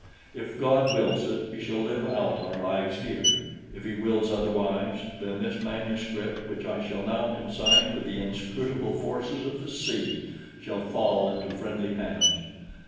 If God wills it, we shall live out our lives here. If He wills otherwise, then this manuscript which I shall now consign to the inscrutable forces of the sea shall fall into friendly hands.